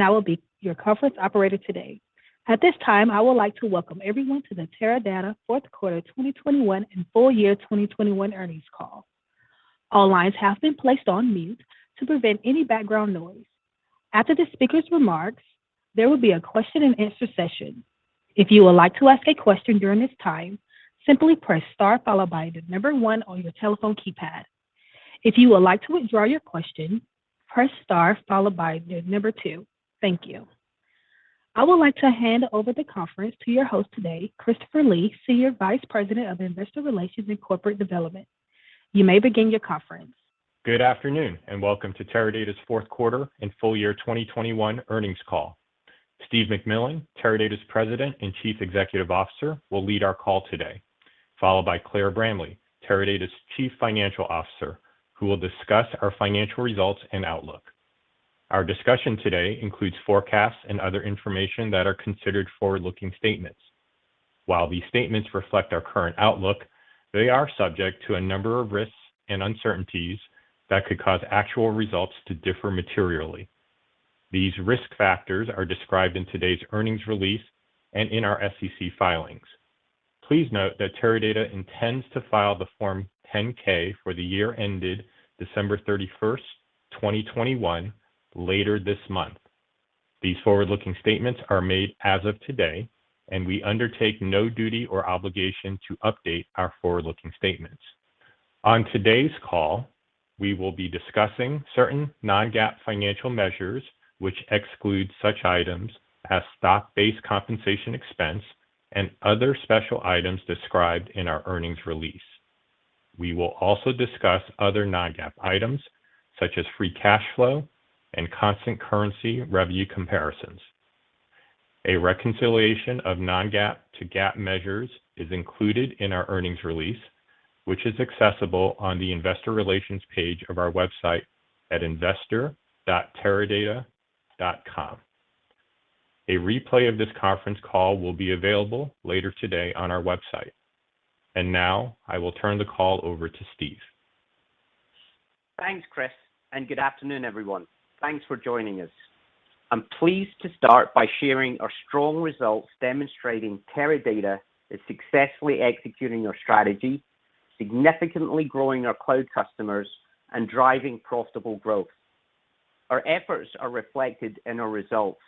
I will be your conference operator today. At this time, I would like to welcome everyone to the Teradata Fourth Quarter 2021 and Full Year 2021 Earnings Call. All lines have been placed on mute to prevent any background noise. After the speaker's remarks, there will be a question and answer session. If you would like to ask a question during this time, simply press star followed by one on your telephone keypad. If you would like to withdraw your question, press star followed by two. Thank you. I would like to hand over the conference to your host today, Christopher Lee, Senior Vice President of Investor Relations and Corporate Development. You may begin your conference. Good afternoon, and welcome to Teradata's fourth quarter and full year 2021 earnings call. Steve McMillan, Teradata's President and Chief Executive Officer, will lead our call today, followed by Claire Bramley, Teradata's Chief Financial Officer, who will discuss our financial results and outlook. Our discussion today includes forecasts and other information that are considered forward-looking statements. While these statements reflect our current outlook, they are subject to a number of risks and uncertainties that could cause actual results to differ materially. These risk factors are described in today's earnings release and in our SEC filings. Please note that Teradata intends to file the Form 10-K for the year ended December 31, 2021 later this month. These forward-looking statements are made as of today, and we undertake no duty or obligation to update our forward-looking statements. On today's call, we will be discussing certain non-GAAP financial measures which exclude such items as stock-based compensation expense and other special items described in our earnings release. We will also discuss other non-GAAP items such as free cash flow and constant currency revenue comparisons. A reconciliation of non-GAAP to GAAP measures is included in our earnings release, which is accessible on the investor relations page of our website at investor.teradata.com. A replay of this conference call will be available later today on our website. Now I will turn the call over to Steve. Thanks, Chris, and good afternoon, everyone. Thanks for joining us. I'm pleased to start by sharing our strong results demonstrating Teradata is successfully executing our strategy, significantly growing our cloud customers, and driving profitable growth. Our efforts are reflected in our results.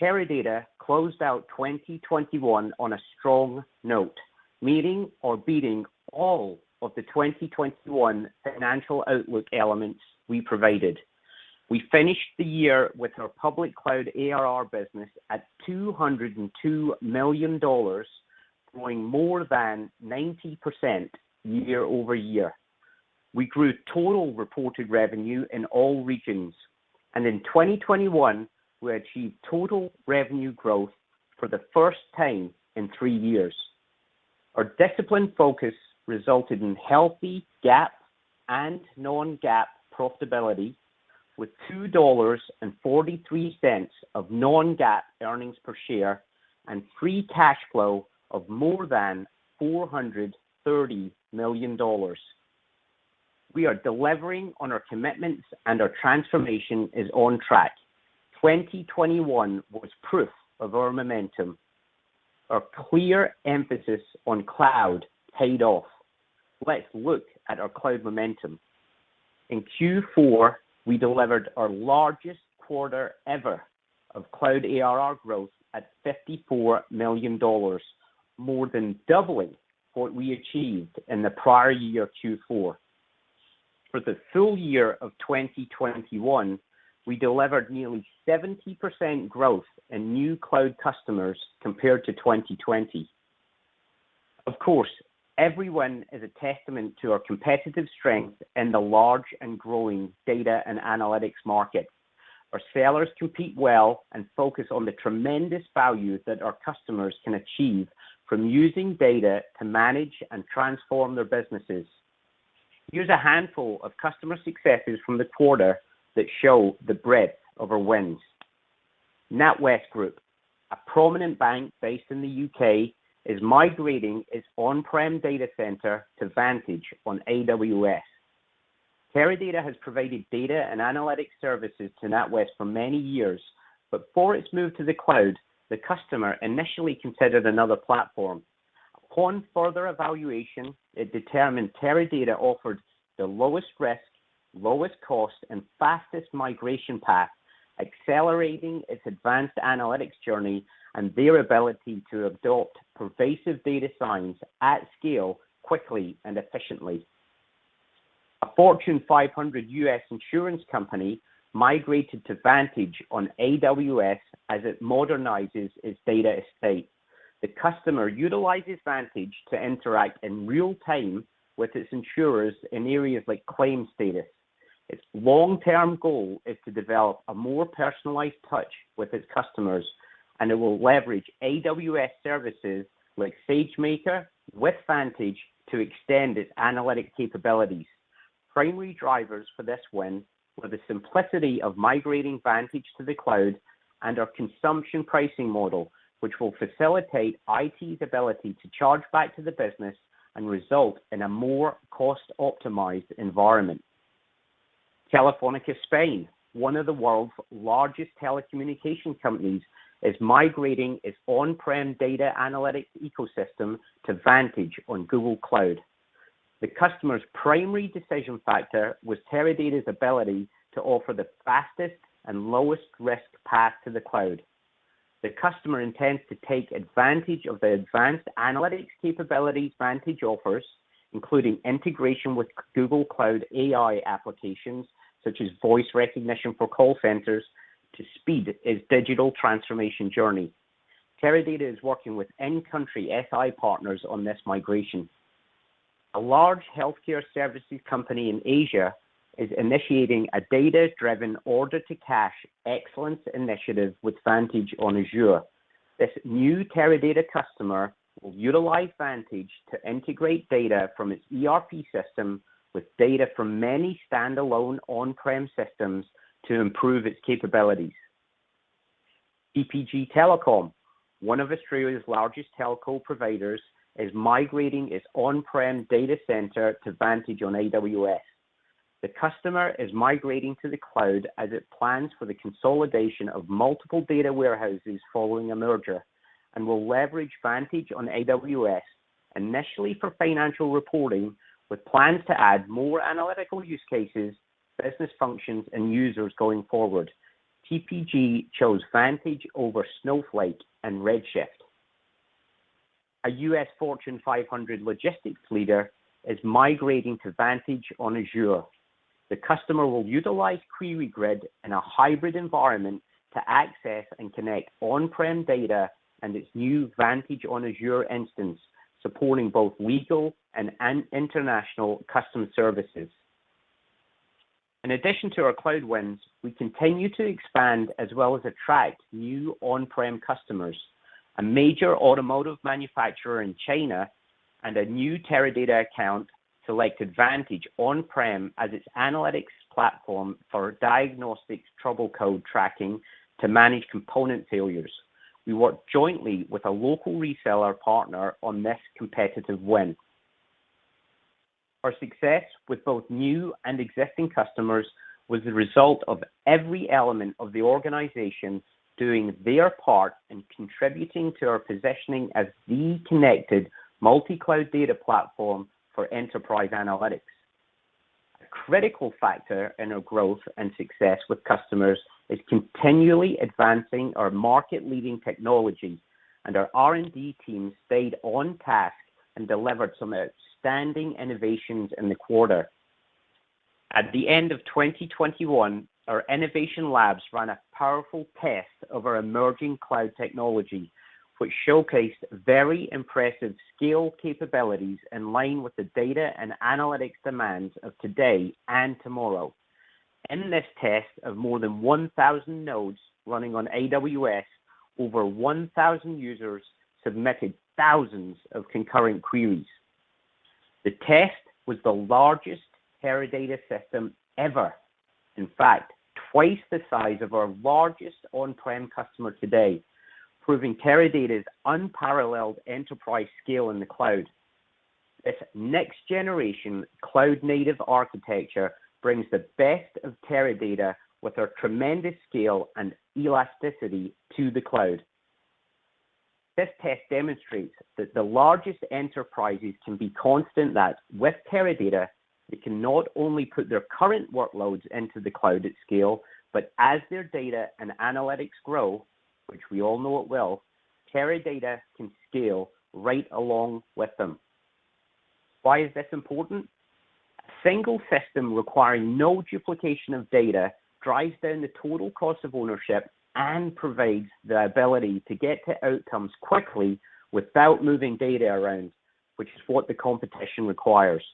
Teradata closed out 2021 on a strong note, meeting or beating all of the 2021 financial outlook elements we provided. We finished the year with our public cloud ARR business at $202 million, growing more than 90% year-over-year. We grew total reported revenue in all regions, and in 2021 we achieved total revenue growth for the first time in three years. Our disciplined focus resulted in healthy GAAP and non-GAAP profitability with $2.43 of non-GAAP earnings per share and free cash flow of more than $430 million. We are delivering on our commitments, and our transformation is on track. 2021 was proof of our momentum. Our clear emphasis on cloud paid off. Let's look at our cloud momentum. In Q4, we delivered our largest quarter ever of cloud ARR growth at $54 million, more than doubling what we achieved in the prior year Q4. For the full year of 2021, we delivered nearly 70% growth in new cloud customers compared to 2020. Of course, every win is a testament to our competitive strength in the large and growing data and analytics market. Our sellers compete well and focus on the tremendous value that our customers can achieve from using data to manage and transform their businesses. Here's a handful of customer successes from the quarter that show the breadth of our wins. NatWest Group, a prominent bank based in the U.K., is migrating its on-prem data center to Vantage on AWS. Teradata has provided data and analytics services to NatWest for many years, but before its move to the cloud, the customer initially considered another platform. Upon further evaluation, it determined Teradata offered the lowest risk, lowest cost, and fastest migration path, accelerating its advanced analytics journey, and their ability to adopt pervasive data science at scale quickly and efficiently. A Fortune 500 U.S. insurance company migrated to Vantage on AWS as it modernizes its data estate. The customer utilizes Vantage to interact in real time with its insurers in areas like claim status. Its long-term goal is to develop a more personalized touch with its customers, and it will leverage AWS services like SageMaker with Vantage to extend its analytic capabilities. Primary drivers for this win were the simplicity of migrating Vantage to the cloud and our consumption pricing model, which will facilitate IT's ability to charge back to the business and result in a more cost-optimized environment. Telefónica Spain, one of the world's largest telecommunications companies, is migrating its on-prem data analytics ecosystem to Vantage on Google Cloud. The customer's primary decision factor was Teradata's ability to offer the fastest and lowest risk path to the cloud. The customer intends to take advantage of the advanced analytics capabilities Vantage offers, including integration with Google Cloud AI applications such as voice recognition for call centers to speed its digital transformation journey. Teradata is working with in-country SI partners on this migration. A large healthcare services company in Asia is initiating a data-driven order-to-cash excellence initiative with Vantage on Azure. This new Teradata customer will utilize Vantage to integrate data from its ERP system with data from many standalone on-prem systems to improve its capabilities. TPG Telecom, one of Australia's largest telco providers, is migrating its on-prem data center to Vantage on AWS. The customer is migrating to the cloud as it plans for the consolidation of multiple data warehouses following a merger, and will leverage Vantage on AWS initially for financial reporting with plans to add more analytical use cases, business functions, and users going forward. TPG chose Vantage over Snowflake and Redshift. A U.S. Fortune 500 logistics leader is migrating to Vantage on Azure. The customer will utilize QueryGrid in a hybrid environment to access and connect on-prem data and its new Vantage on Azure instance, supporting both regional and international customer services. In addition to our cloud wins, we continue to expand as well as attract new on-prem customers. A major automotive manufacturer in China and a new Teradata account select Vantage on-prem as its analytics platform for Diagnostic Trouble Code tracking to manage component failures. We worked jointly with a local reseller partner on this competitive win. Our success with both new and existing customers was the result of every element of the organization doing their part and contributing to our positioning as the connected multi-cloud data platform for enterprise analytics. A critical factor in our growth and success with customers is continually advancing our market-leading technology, and our R&D team stayed on task and delivered some outstanding innovations in the quarter. At the end of 2021, our innovation labs ran a powerful test of our emerging cloud technology, which showcased very impressive scale capabilities in line with the data and analytics demands of today and tomorrow. In this test of more than 1000 nodes running on AWS, over 1000 users submitted thousands of concurrent queries. The test was the largest Teradata system ever. In fact, twice the size of our largest on-prem customer today, proving Teradata's unparalleled enterprise scale in the cloud. This next-generation cloud-native architecture brings the best of Teradata with our tremendous scale and elasticity to the cloud. This test demonstrates that the largest enterprises can be confident that with Teradata, they can not only put their current workloads into the cloud at scale, but as their data and analytics grow, which we all know it will, Teradata can scale right along with them. Why is this important? A single system requiring no duplication of data drives down the total cost of ownership and provides the ability to get to outcomes quickly without moving data around, which is what the competition requires.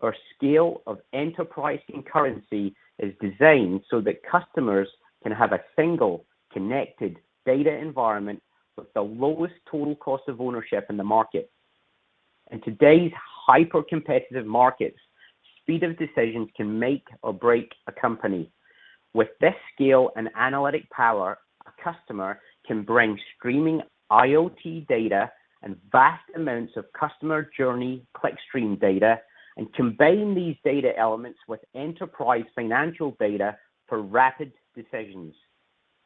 Our scale of enterprise and currency is designed so that customers can have a single connected data environment with the lowest total cost of ownership in the market. In today's hyper-competitive markets, speed of decisions can make or break a company. With this scale and analytic power, a customer can bring streaming IoT data and vast amounts of customer journey clickstream data and combine these data elements with enterprise financial data for rapid decisions.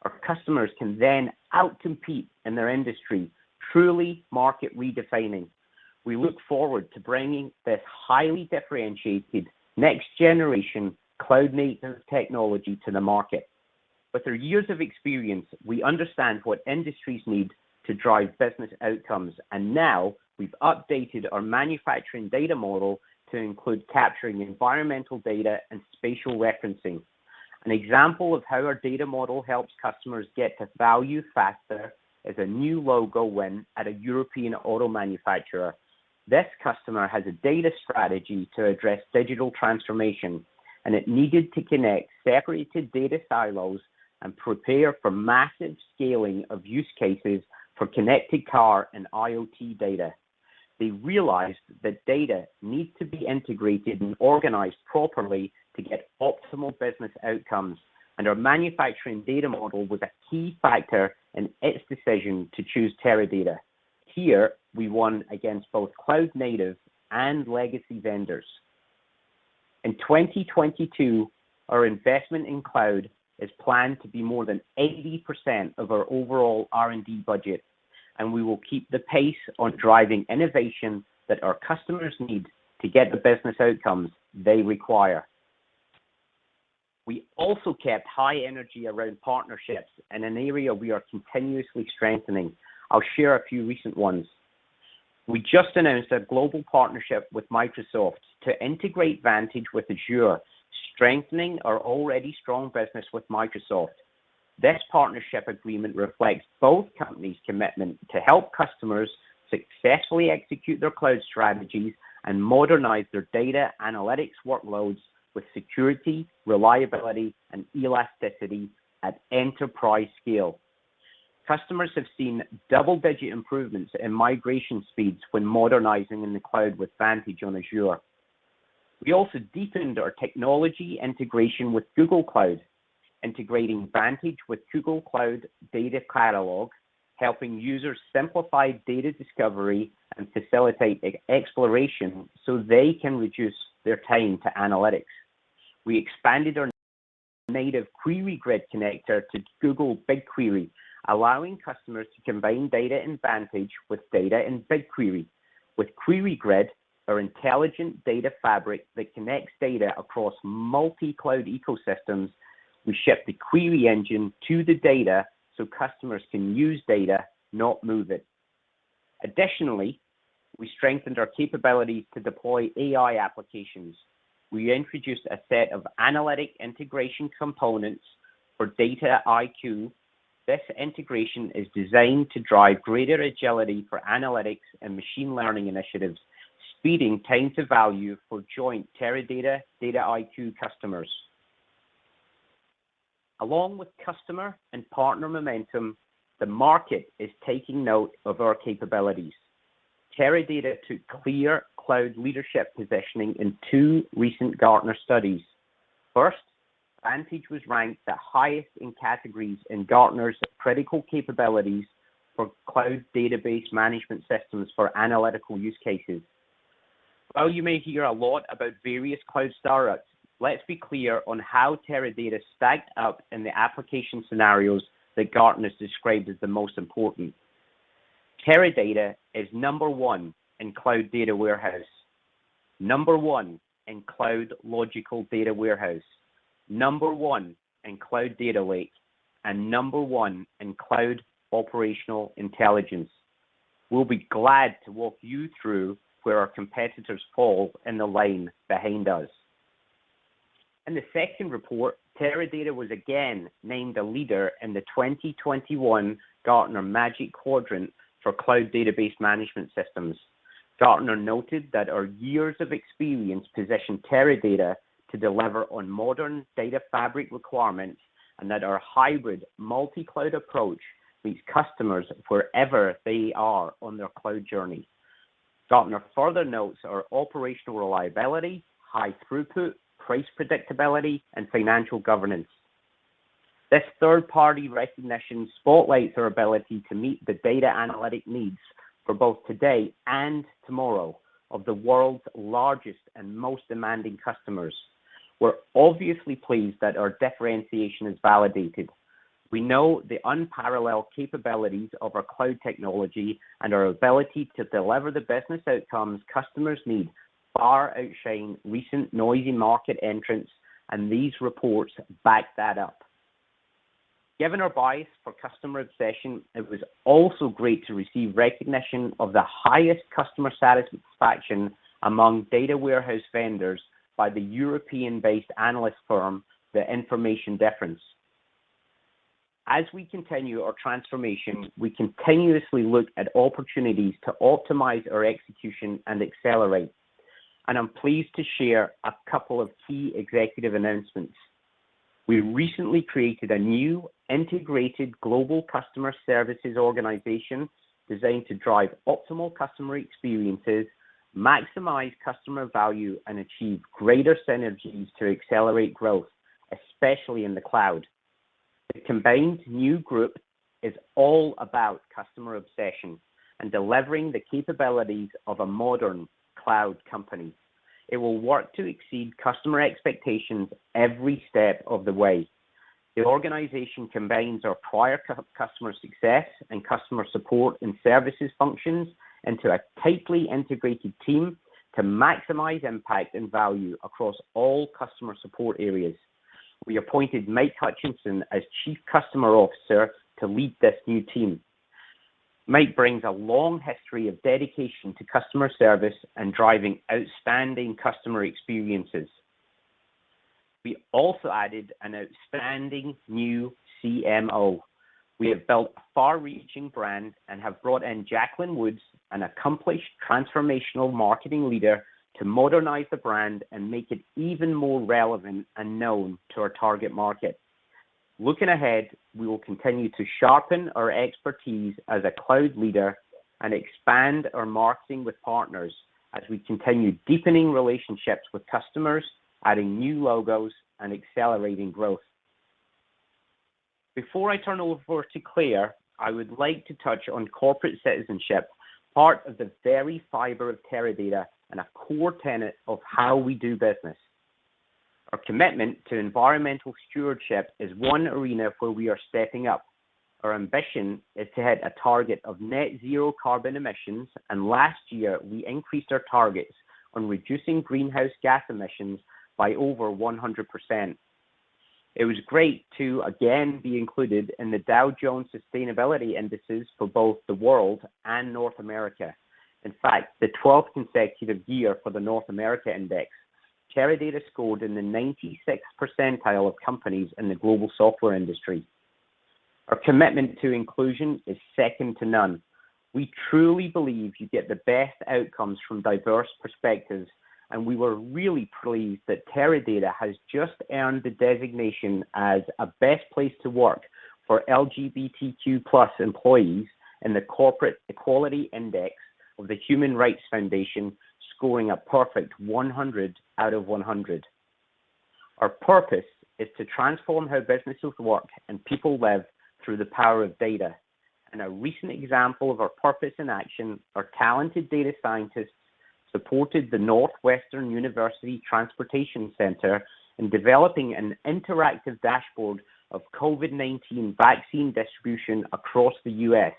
Our customers can then out-compete in their industry, truly market redefining. We look forward to bringing this highly differentiated next-generation cloud-native technology to the market. With our years of experience, we understand what industries need to drive business outcomes, and now we've updated our manufacturing data model to include capturing environmental data and spatial referencing. An example of how our data model helps customers get to value faster is a new logo win at a European auto manufacturer. This customer has a data strategy to address digital transformation, and it needed to connect separated data silos and prepare for massive scaling of use cases for connected car and IoT data. They realized that data needs to be integrated and organized properly to get optimal business outcomes, and our manufacturing data model was a key factor in its decision to choose Teradata. Here we won against both cloud native and legacy vendors. In 2022 our investment in cloud is planned to be more than 80% of our overall R&D budget, and we will keep the pace on driving innovation that our customers need to get the business outcomes they require. We also kept high energy around partnerships in an area we are continuously strengthening. I'll share a few recent ones. We just announced a global partnership with Microsoft to integrate Vantage with Azure, strengthening our already strong business with Microsoft. This partnership agreement reflects both companies' commitment to help customers successfully execute their cloud strategies and modernize their data analytics workloads with security, reliability, and elasticity at enterprise scale. Customers have seen double-digit improvements in migration speeds when modernizing in the cloud with Vantage on Azure. We also deepened our technology integration with Google Cloud, integrating Vantage with Google Cloud Data Catalog, helping users simplify data discovery and facilitate exploration so they can reduce their time to analytics. We expanded our native QueryGrid connector to Google BigQuery, allowing customers to combine data in Vantage with data in BigQuery. With QueryGrid, our intelligent data fabric that connects data across multi-cloud ecosystems, we ship the query engine to the data so customers can use data, not move it. Additionally, we strengthened our capability to deploy AI applications. We introduced a set of analytic integration components for Dataiku. This integration is designed to drive greater agility for analytics and machine learning initiatives, speeding time to value for joint Teradata Dataiku customers. Along with customer and partner momentum, the market is taking note of our capabilities. Teradata took clear cloud leadership positioning in two recent Gartner studies. First, Vantage was ranked the highest in categories in Gartner's critical capabilities for cloud database management systems for analytical use cases. While you may hear a lot about various cloud startups, let's be clear on how Teradata stacked up in the application scenarios that Gartner's described as the most important. Teradata is number one in cloud data warehouse, number one in cloud logical data warehouse, number one in cloud data lake, and number one in cloud operational intelligence. We'll be glad to walk you through where our competitors fall in the line behind us. In the second report, Teradata was again named a leader in the 2021 Gartner Magic Quadrant for cloud database management systems. Gartner noted that our years of experience position Teradata to deliver on modern data fabric requirements and that our hybrid multi-cloud approach meets customers wherever they are on their cloud journey. Gartner further notes our operational reliability, high throughput, price predictability, and financial governance. This third-party recognition spotlights our ability to meet the data analytic needs for both today and tomorrow of the world's largest and most demanding customers. We're obviously pleased that our differentiation is validated. We know the unparalleled capabilities of our cloud technology and our ability to deliver the business outcomes customers need far outshine recent noisy market entrants, and these reports back that up. Given our bias for customer obsession, it was also great to receive recognition of the highest customer satisfaction among data warehouse vendors by the European-based analyst firm, The Information Difference. As we continue our transformation, we continuously look at opportunities to optimize our execution and accelerate, and I'm pleased to share a couple of key executive announcements. We recently created a new integrated global customer services organization designed to drive optimal customer experiences, maximize customer value, and achieve greater synergies to accelerate growth, especially in the cloud. The combined new group is all about customer obsession and delivering the capabilities of a modern cloud company. It will work to exceed customer expectations every step of the way. The organization combines our prior customer success and customer support and services functions into a tightly integrated team to maximize impact and value across all customer support areas. We appointed Mike Hutchinson as Chief Customer Officer to lead this new team. Mike brings a long history of dedication to customer service and driving outstanding customer experiences. We also added an outstanding new CMO. We have built a far-reaching brand and have brought in Jacqueline Woods, an accomplished transformational marketing leader, to modernize the brand and make it even more relevant and known to our target market. Looking ahead, we will continue to sharpen our expertise as a cloud leader and expand our marketing with partners as we continue deepening relationships with customers, adding new logos, and accelerating growth. Before I turn over to Claire, I would like to touch on corporate citizenship, part of the very fiber of Teradata and a core tenet of how we do business. Our commitment to environmental stewardship is one arena where we are stepping up. Our ambition is to hit a target of net zero carbon emissions, and last year we increased our targets on reducing greenhouse gas emissions by over 100%. It was great to again be included in the Dow Jones Sustainability Indices for both the world and North America. In fact, the 12th consecutive year for the North America index. Teradata scored in the 96th percentile of companies in the global software industry. Our commitment to inclusion is second to none. We truly believe you get the best outcomes from diverse perspectives, and we were really pleased that Teradata has just earned the designation as a best place to work for LGBTQ+ employees in the Corporate Equality Index of the Human Rights Campaign Foundation, scoring a perfect 100 out of 100. Our purpose is to transform how businesses work and people live through the power of data. In a recent example of our purpose in action, our talented data scientists supported the Northwestern University Transportation Center in developing an interactive dashboard of COVID-19 vaccine distribution across the U.S.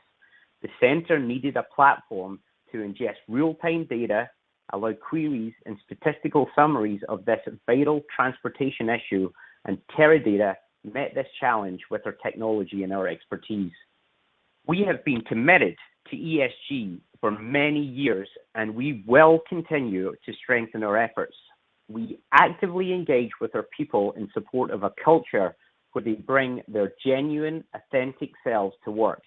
The center needed a platform to ingest real-time data, allow queries and statistical summaries of this vital transportation issue, and Teradata met this challenge with our technology and our expertise. We have been committed to ESG for many years, and we will continue to strengthen our efforts. We actively engage with our people in support of a culture where they bring their genuine, authentic selves to work.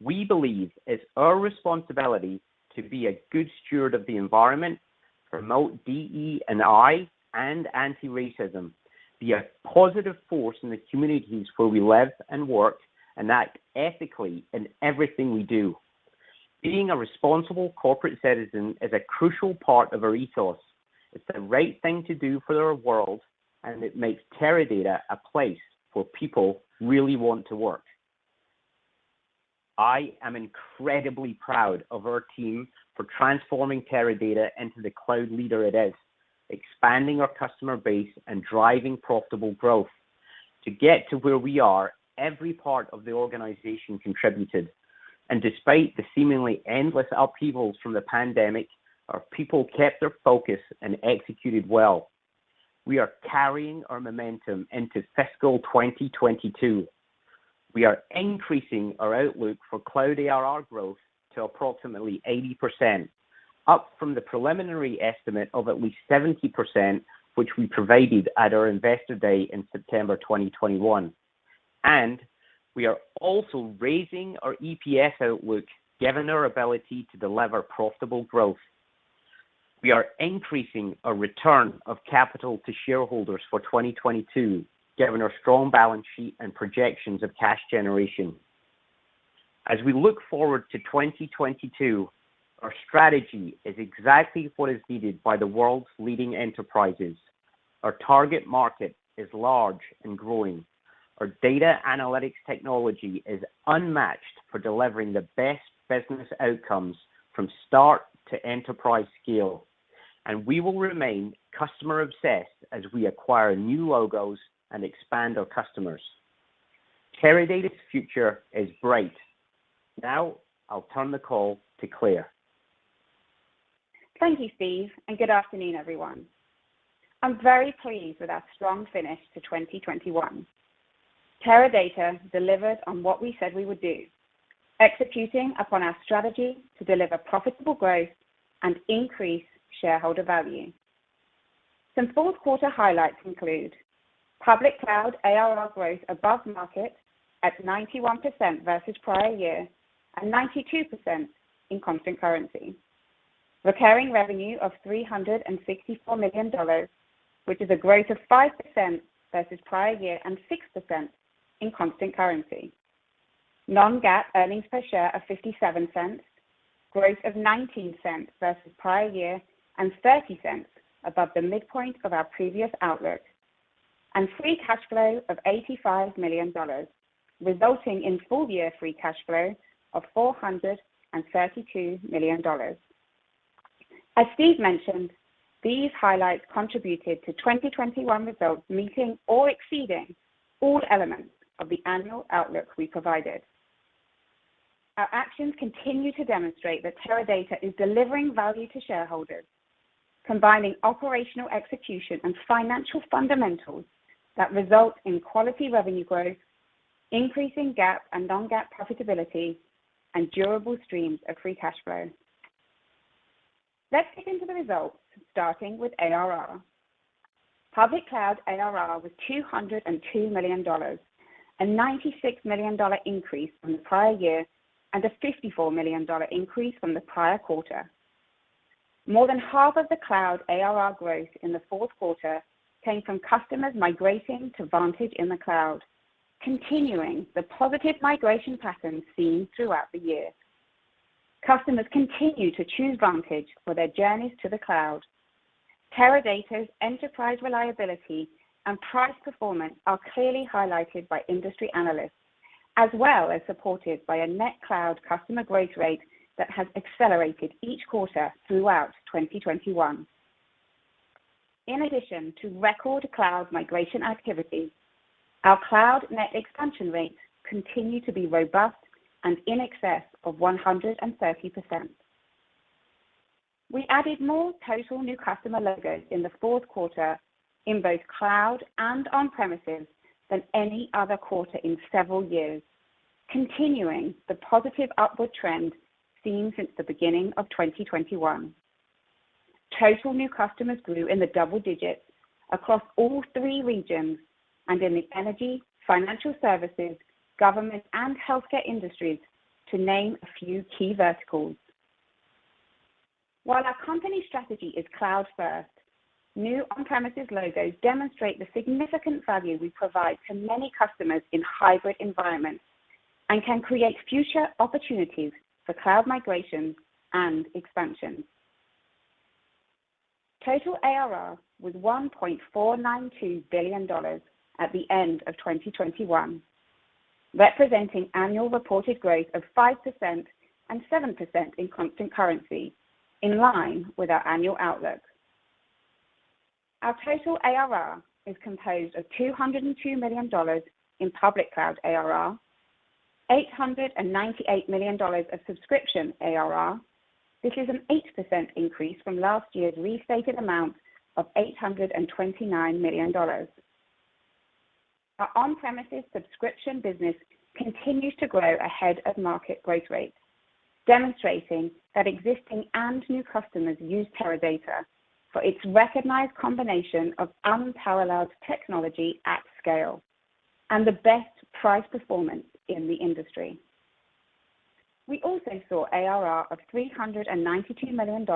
We believe it's our responsibility to be a good steward of the environment, promote DE&I and anti-racism, be a positive force in the communities where we live and work, and act ethically in everything we do. Being a responsible corporate citizen is a crucial part of our ethos. It's the right thing to do for our world, and it makes Teradata a place where people really want to work. I am incredibly proud of our team for transforming Teradata into the cloud leader it is, expanding our customer base and driving profitable growth. To get to where we are, every part of the organization contributed, and despite the seemingly endless upheavals from the pandemic, our people kept their focus and executed well. We are carrying our momentum into fiscal 2022. We are increasing our outlook for cloud ARR growth to approximately 80%, up from the preliminary estimate of at least 70%, which we provided at our Investor Day in September 2021. We are also raising our EPS outlook given our ability to deliver profitable growth. We are increasing our return of capital to shareholders for 2022, given our strong balance sheet and projections of cash generation. As we look forward to 2022, our strategy is exactly what is needed by the world's leading enterprises. Our target market is large and growing. Our data analytics technology is unmatched for delivering the best business outcomes from start to enterprise scale, and we will remain customer obsessed as we acquire new logos and expand our customers. Teradata's future is bright. Now I'll turn the call to Claire. Thank you, Steve, and good afternoon, everyone. I'm very pleased with our strong finish to 2021. Teradata delivered on what we said we would do, executing upon our strategy to deliver profitable growth and increase shareholder value. Some fourth quarter highlights include public cloud ARR growth above market at 91% versus prior year and 92% in constant currency. Recurring revenue of $364 million, which is a growth of 5% versus prior year and 6% in constant currency. Non-GAAP earnings per share of $0.57, growth of $0.19 versus prior year and $0.30 above the midpoint of our previous outlook. Free cash flow of $85 million, resulting in full year free cash flow of $432 million. As Steve mentioned, these highlights contributed to 2021 results meeting or exceeding all elements of the annual outlook we provided. Our actions continue to demonstrate that Teradata is delivering value to shareholders, combining operational execution and financial fundamentals that result in quality revenue growth, increasing GAAP and non-GAAP profitability, and durable streams of free cash flow. Let's dig into the results, starting with ARR. Public cloud ARR was $202 million, a $96 million increase from the prior year, and a $54 million increase from the prior quarter. More than half of the cloud ARR growth in the fourth quarter came from customers migrating to Vantage in the cloud, continuing the positive migration patterns seen throughout the year. Customers continue to choose Vantage for their journeys to the cloud. Teradata's enterprise reliability and price performance are clearly highlighted by industry analysts, as well as supported by a net cloud customer growth rate that has accelerated each quarter throughout 2021. In addition to record cloud migration activity, our cloud net expansion rates continue to be robust and in excess of 130%. We added more total new customer logos in the fourth quarter in both cloud and on-premises than any other quarter in several years, continuing the positive upward trend seen since the beginning of 2021. Total new customers grew in the double digits across all three regions and in the energy, financial services, government, and healthcare industries, to name a few key verticals. While our company strategy is cloud first, new on-premises logos demonstrate the significant value we provide to many customers in hybrid environments and can create future opportunities for cloud migration and expansion. Total ARR was $1.492 billion at the end of 2021, representing annual reported growth of 5% and 7% in constant currency, in line with our annual outlook. Our total ARR is composed of $202 million in public cloud ARR, $898 million of subscription ARR. This is an 8% increase from last year's restated amount of $829 million. Our on-premises subscription business continues to grow ahead of market growth rates, demonstrating that existing and new customers use Teradata for its recognized combination of unparalleled technology at scale and the best price performance in the industry. We also saw ARR of $392 million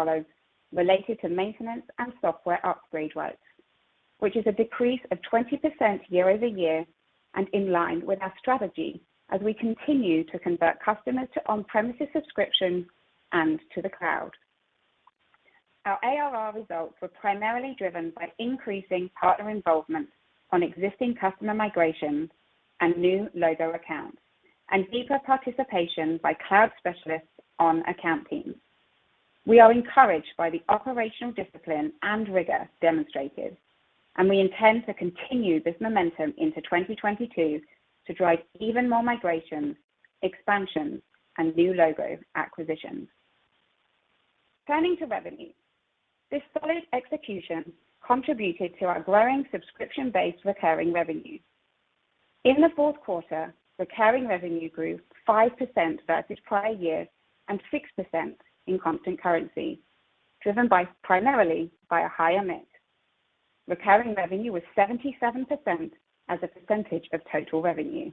related to maintenance and software upgrade works, which is a decrease of 20% year-over-year and in line with our strategy as we continue to convert customers to on-premises subscription and to the cloud. Our ARR results were primarily driven by increasing partner involvement on existing customer migrations and new logo accounts and deeper participation by cloud specialists on account teams. We are encouraged by the operational discipline and rigor demonstrated, and we intend to continue this momentum into 2022 to drive even more migrations, expansions, and new logo acquisitions. Turning to revenue. This solid execution contributed to our growing subscription-based recurring revenue. In the fourth quarter, recurring revenue grew 5% versus prior year, and 6% in constant currency, driven by, primarily by a higher mix. Recurring revenue was 77% as a percentage of total revenue.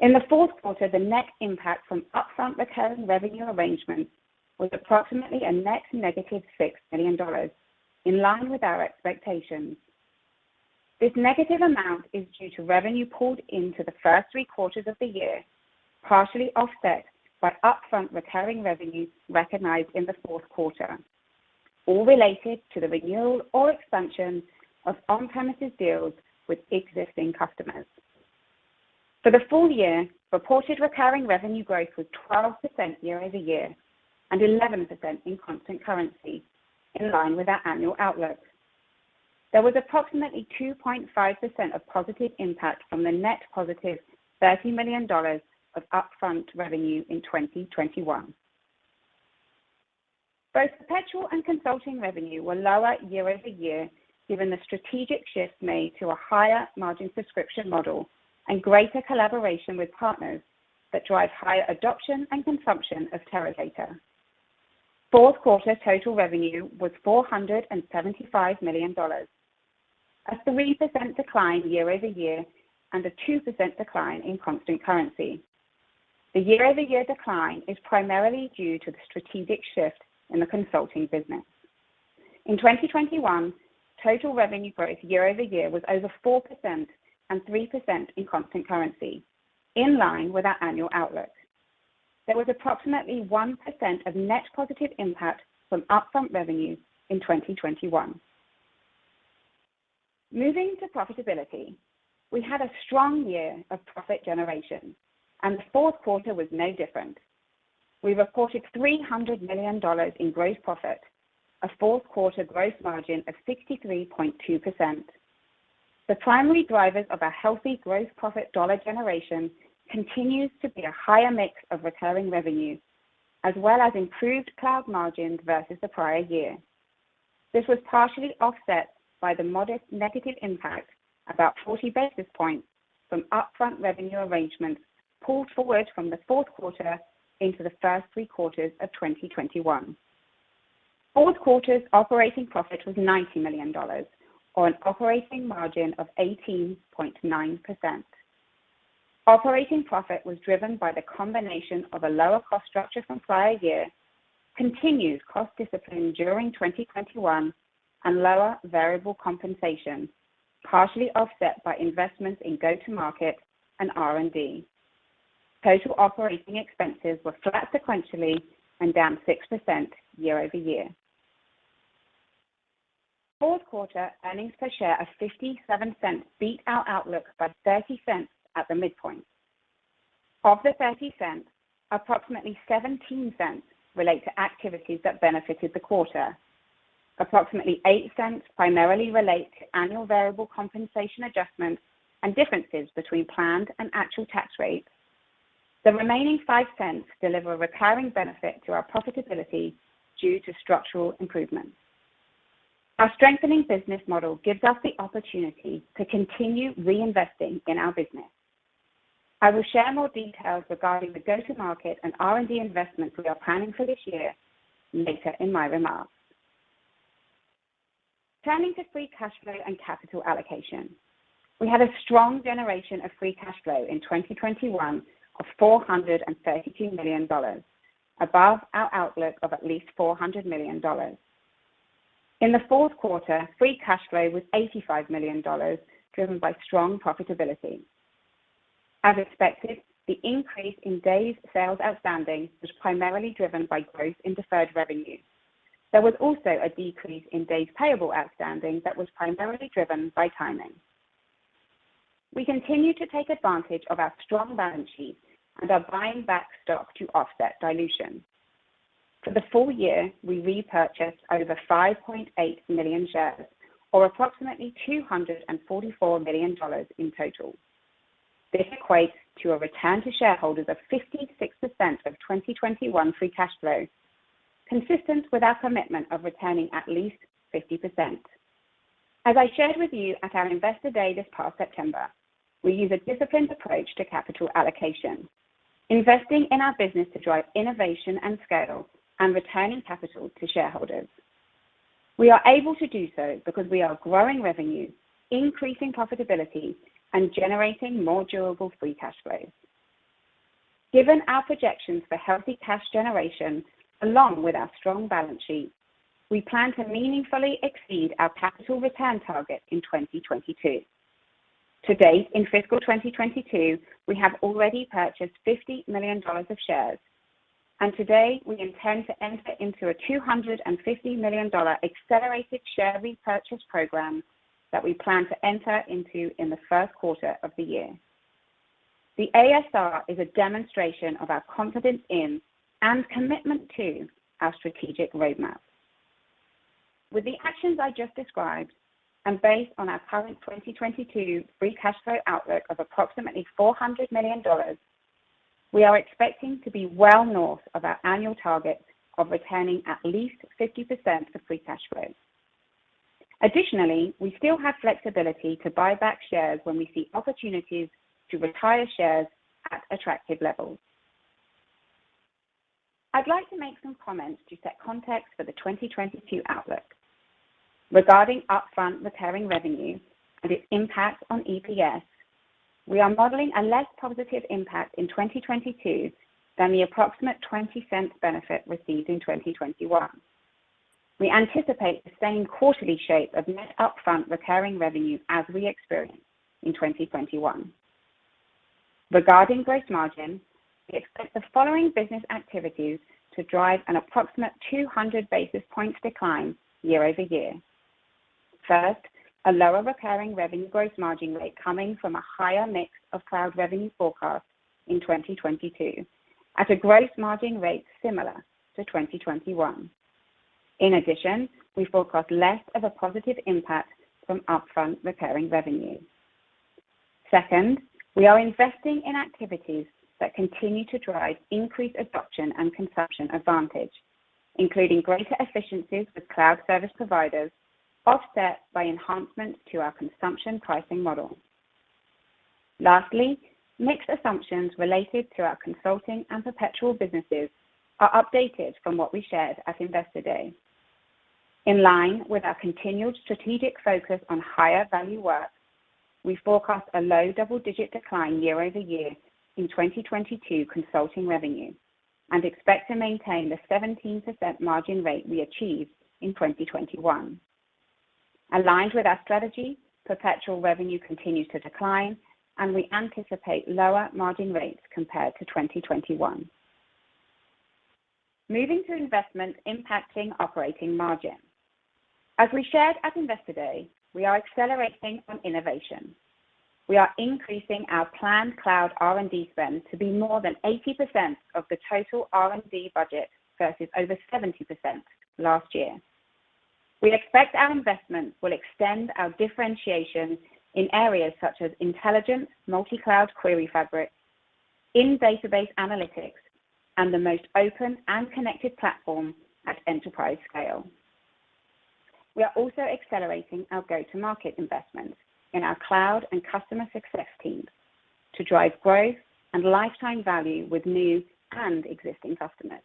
In the fourth quarter, the net impact from upfront recurring revenue arrangements was approximately a net negative $6 million, in line with our expectations. This negative amount is due to revenue pulled into the first three quarters of the year, partially offset by upfront recurring revenue recognized in the fourth quarter, all related to the renewal or expansion of on-premises deals with existing customers. For the full year, reported recurring revenue growth was 12% year-over-year, and 11% in constant currency, in line with our annual outlook. There was approximately 2.5% of positive impact from the net positive $30 million of upfront revenue in 2021. Both perpetual and consulting revenue were lower year-over-year, given the strategic shift made to a higher margin subscription model and greater collaboration with partners that drive higher adoption and consumption of Teradata. Fourth quarter total revenue was $475 million, a 3% decline year-over-year and a 2% decline in constant currency. The year-over-year decline is primarily due to the strategic shift in the consulting business. In 2021, total revenue growth year-over-year was over 4% and 3% in constant currency, in line with our annual outlook. There was approximately 1% of net positive impact from upfront revenue in 2021. Moving to profitability. We had a strong year of profit generation, and the fourth quarter was no different. We reported $300 million in gross profit, a fourth quarter gross margin of 63.2%. The primary drivers of our healthy gross profit dollar generation continues to be a higher mix of recurring revenue, as well as improved cloud margins versus the prior year. This was partially offset by the modest negative impact, about 40 basis points, from upfront revenue arrangements pulled forward from the fourth quarter into the first three quarters of 2021. Fourth quarter's operating profit was $90 million on operating margin of 18.9%. Operating profit was driven by the combination of a lower cost structure from prior year continued cost discipline during 2021 and lower variable compensation, partially offset by investments in go-to-market and R&D. Total operating expenses were flat sequentially and down 6% year-over-year. Fourth quarter earnings per share of $0.57 beat our outlook by $0.30 at the midpoint. Of the $0.30, approximately $0.17 relate to activities that benefited the quarter. Approximately $0.08 primarily relate to annual variable compensation adjustments and differences between planned and actual tax rates. The remaining $0.05 deliver recurring benefit to our profitability due to structural improvements. Our strengthening business model gives us the opportunity to continue reinvesting in our business. I will share more details regarding the go-to-market and R&D investments we are planning for this year later in my remarks. Turning to free cash flow and capital allocation. We had a strong generation of free cash flow in 2021 of $430 million, above our outlook of at least $400 million. In the fourth quarter, free cash flow was $85 million, driven by strong profitability. As expected, the increase in days sales outstanding was primarily driven by growth in deferred revenue. There was also a decrease in days payable outstanding that was primarily driven by timing. We continue to take advantage of our strong balance sheet and are buying back stock to offset dilution. For the full year, we repurchased over 5.8 million shares, or approximately $244 million in total. This equates to a return to shareholders of 56% of 2021 free cash flow, consistent with our commitment of returning at least 50%. As I shared with you at our Investor Day this past September, we use a disciplined approach to capital allocation, investing in our business to drive innovation and scale and returning capital to shareholders. We are able to do so because we are growing revenue, increasing profitability, and generating more durable free cash flow. Given our projections for healthy cash generation along with our strong balance sheet, we plan to meaningfully exceed our capital return target in 2022. To date, in fiscal 2022, we have already purchased $50 million of shares, and today we intend to enter into a $250 million accelerated share repurchase program that we plan to enter into in the first quarter of the year. The ASR is a demonstration of our confidence in and commitment to our strategic roadmap. With the actions I just described, and based on our current 2022 free cash flow outlook of approximately $400 million, we are expecting to be well north of our annual target of returning at least 50% of free cash flow. Additionally, we still have flexibility to buy back shares when we see opportunities to retire shares at attractive levels. I'd like to make some comments to set context for the 2022 outlook. Regarding upfront recurring revenue and its impact on EPS, we are modeling a less positive impact in 2022 than the approximate $0.20 benefit received in 2021. We anticipate the same quarterly shape of net upfront recurring revenue as we experienced in 2021. Regarding gross margin, we expect the following business activities to drive an approximate 200 basis points decline year-over-year. First, a lower recurring revenue gross margin rate coming from a higher mix of cloud revenue forecast in 2022 at a gross margin rate similar to 2021. In addition, we forecast less of a positive impact from upfront recurring revenue. Second, we are investing in activities that continue to drive increased adoption and consumption advantage, including greater efficiencies with cloud service providers offset by enhancements to our consumption pricing model. Lastly, mix assumptions related to our consulting and perpetual businesses are updated from what we shared at Investor Day. In line with our continued strategic focus on higher value work, we forecast a low double-digit decline year-over-year in 2022 consulting revenue and expect to maintain the 17% margin rate we achieved in 2021. Aligned with our strategy, perpetual revenue continues to decline, and we anticipate lower margin rates compared to 2021. Moving to investments impacting operating margin. As we shared at Investor Day, we are accelerating on innovation. We are increasing our planned cloud R&D spend to be more than 80% of the total R&D budget versus over 70% last year. We expect our investments will extend our differentiation in areas such as intelligent multi-cloud query fabric, in-database analytics, and the most open and connected platform at enterprise scale. We are also accelerating our go-to-market investments in our cloud and customer success teams to drive growth and lifetime value with new and existing customers.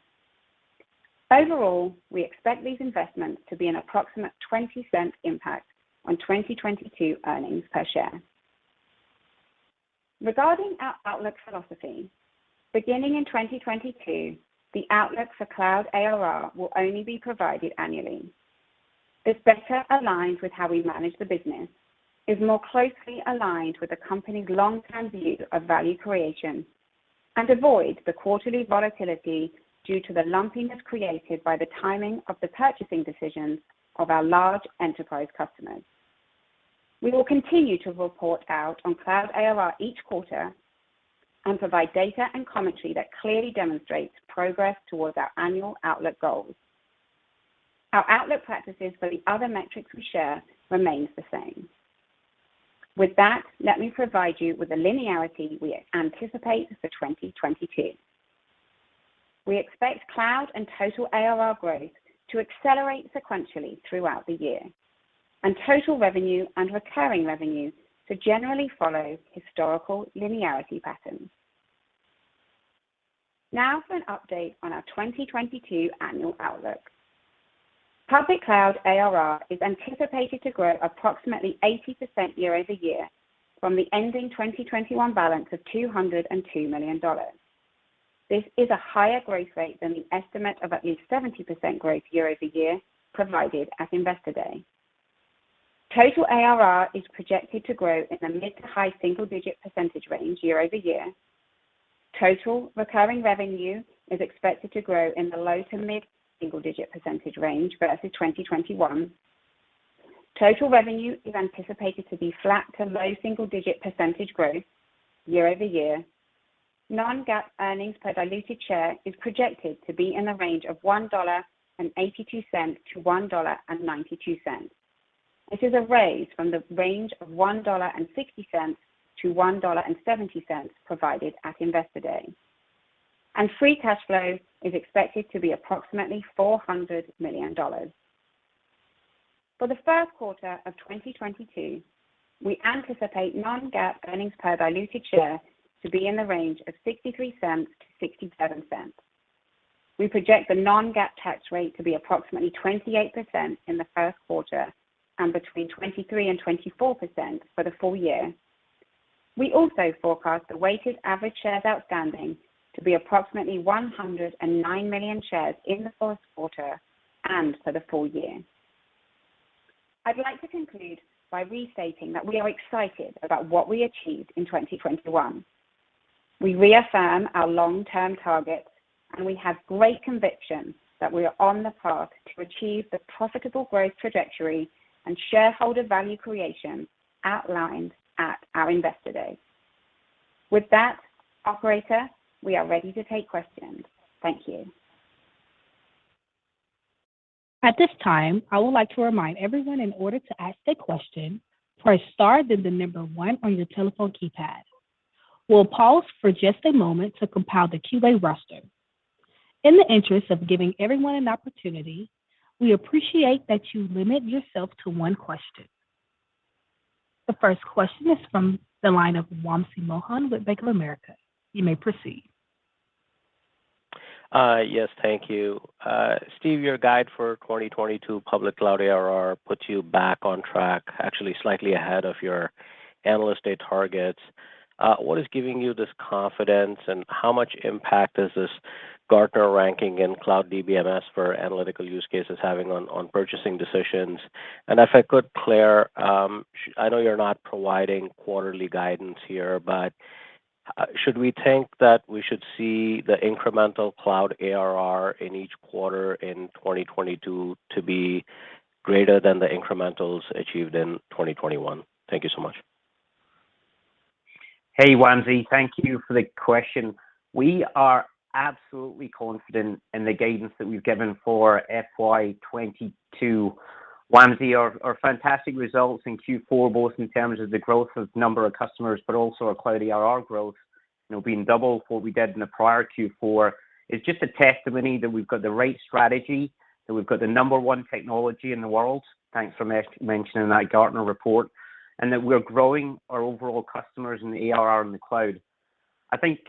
Overall, we expect these investments to be an approximate $0.20 impact on 2022 earnings per share. Regarding our outlook philosophy, beginning in 2022, the outlook for cloud ARR will only be provided annually. It's better aligned with how we manage the business, is more closely aligned with the company's long-term view of value creation, and avoids the quarterly volatility due to the lumpiness created by the timing of the purchasing decisions of our large enterprise customers. We will continue to report out on cloud ARR each quarter and provide data and commentary that clearly demonstrates progress towards our annual outlook goals. Our outlook practices for the other metrics we share remains the same. With that, let me provide you with the linearity we anticipate for 2022. We expect cloud and total ARR growth to accelerate sequentially throughout the year, and total revenue and recurring revenue to generally follow historical linearity patterns. Now for an update on our 2022 annual outlook. Public cloud ARR is anticipated to grow approximately 80% year-over-year from the ending 2021 balance of $202 million. This is a higher growth rate than the estimate of at least 70% growth year-over-year provided at Investor Day. Total ARR is projected to grow in the mid-to high-single-digit percentage range year-over-year. Total recurring revenue is expected to grow in the low- to mid-single-digit percentage range versus 2021. Total revenue is anticipated to be flat to low-single-digit percentage growth year-over-year. Non-GAAP earnings per diluted share is projected to be in the range of $1.82 to $1.92. This is a raise from the range of $1.60 to $1.70 provided at Investor Day. Free cash flow is expected to be approximately $400 million. For the first quarter of 2022, we anticipate non-GAAP earnings per diluted share to be in the range of $0.63 to $0.67. We project the non-GAAP tax rate to be approximately 28% in the first quarter and between 23%-24% for the full year. We also forecast the weighted average shares outstanding to be approximately 109 million shares in the first quarter and for the full year. I'd like to conclude by restating that we are excited about what we achieved in 2021. We reaffirm our long-term targets, and we have great conviction that we are on the path to achieve the profitable growth trajectory and shareholder value creation outlined at our Investor Day. With that, operator, we are ready to take questions. Thank you. At this time, I would like to remind everyone in order to ask a question, press star then the number one on your telephone keypad. We'll pause for just a moment to compile the Q&A roster. In the interest of giving everyone an opportunity, we appreciate that you limit yourself to one question. The first question is from the line of Wamsi Mohan with Bank of America. You may proceed. Yes, thank you. Steve, your guide for 2022 public cloud ARR puts you back on track, actually slightly ahead of your Analyst Day targets. What is giving you this confidence, and how much impact is this Gartner ranking in cloud DBMS for analytical use cases having on purchasing decisions? If I could, Claire, I know you're not providing quarterly guidance here, but should we think that we should see the incremental cloud ARR in each quarter in 2022 to be greater than the incrementals achieved in 2021? Thank you so much. Hey, Wamsi. Thank you for the question. We are absolutely confident in the guidance that we've given for FY 2022. Wamsi, our fantastic results in Q4, both in terms of the growth of number of customers, but also our cloud ARR growth, you know, being double what we did in the prior Q4, is just a testimony that we've got the right strategy, that we've got the number one technology in the world, thanks for mentioning that Gartner report, and that we're growing our overall customers and the ARR in the cloud. I think,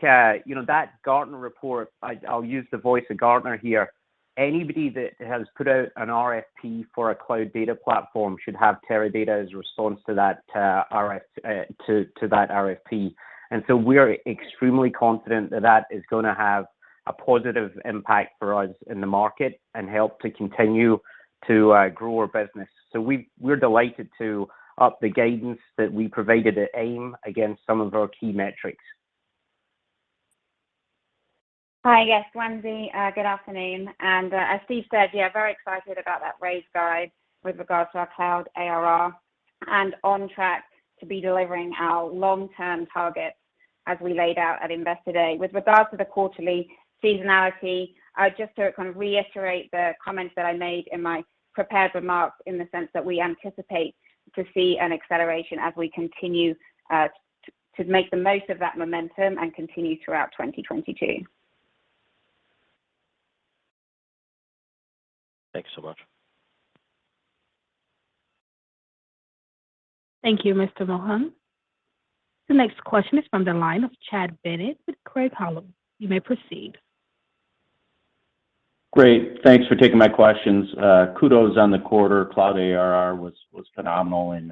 you know, that Gartner report, I'll use the voice of Gartner here. Anybody that has put out an RFP for a cloud data platform should have Teradata as a response to that RFP. We're extremely confident that that is gonna have a positive impact for us in the market and help to continue to grow our business. We're delighted to up the guidance that we provided at AIM against some of our key metrics. Hi. Yes, Wamsi, good afternoon. As Steve said, yeah, very excited about that raised guide with regards to our cloud ARR, and on track to be delivering our long-term targets as we laid out at Investor Day. With regards to the quarterly seasonality, just to kind of reiterate the comments that I made in my prepared remarks in the sense that we anticipate to see an acceleration as we continue to make the most of that momentum and continue throughout 2022. Thanks so much. Thank you, Mr. Mohan. The next question is from the line of Chad Bennett with Craig-Hallum. You may proceed. Great. Thanks for taking my questions. Kudos on the quarter. Cloud ARR was phenomenal, and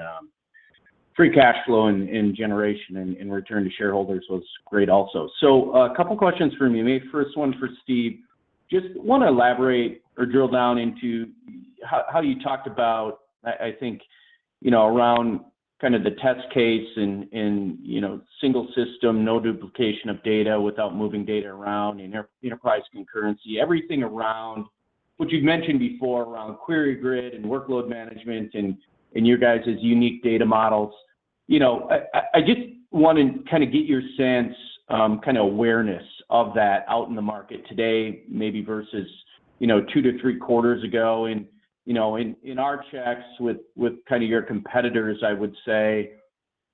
free cash flow generation and return to shareholders was great also. A couple questions from me. Maybe first one for Steve. Just wanna elaborate or drill down into how you talked about, I think, you know, around kinda the test case in, you know, single system, no duplication of data without moving data around, enterprise concurrency. Everything around what you've mentioned before around QueryGrid and workload management and your guys' unique data models. You know, I just wanna kind of get your sense, kind of awareness of that out in the market today maybe versus, you know, two to three quarters ago. You know, in our checks with kind of your competitors, I would say,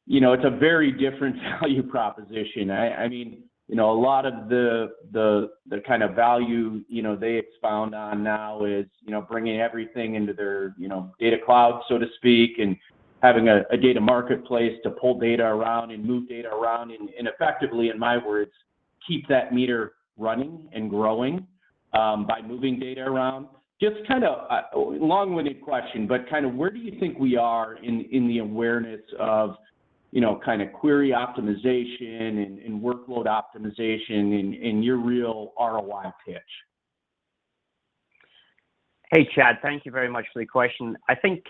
you know, it's a very different value proposition. I mean, you know, a lot of the kind of value, you know, they expound on now is, you know, bringing everything into their, you know, data cloud, so to speak, and having a data marketplace to pull data around and move data around and effectively, in my words, keep that meter running and growing by moving data around. Just kind of a long-winded question, but kind of where do you think we are in the awareness of, you know, kind of query optimization and workload optimization in your real ROI pitch? Hey, Chad. Thank you very much for the question. I think,